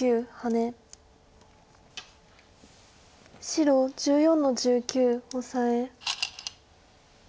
白１４の十九オサエ。